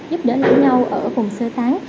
giúp đỡ lẫn nhau ở vùng sơ tán